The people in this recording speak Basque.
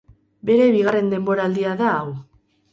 Bere bigarren denboraldia da hau.